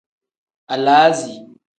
Alaazi.